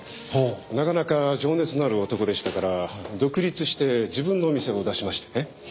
なかなか情熱のある男でしたから独立して自分のお店を出しましてね。